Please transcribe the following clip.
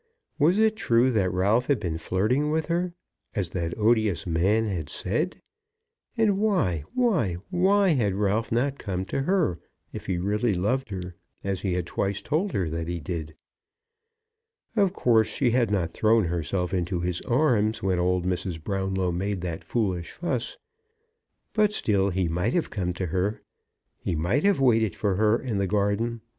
Was it true that Ralph had been flirting with her, as that odious man had said? And why, why, why had Ralph not come to her, if he really loved her, as he had twice told her that he did? Of course she had not thrown herself into his arms when old Mrs. Brownlow made that foolish fuss. But still he might have come to her. He might have waited for her in the garden.